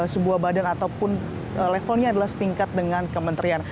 sebuah badan ataupun levelnya adalah setingkat dengan kementerian